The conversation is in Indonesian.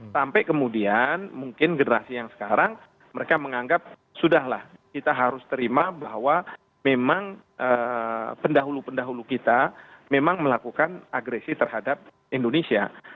sampai kemudian mungkin generasi yang sekarang mereka menganggap sudahlah kita harus terima bahwa memang pendahulu pendahulu kita memang melakukan agresi terhadap indonesia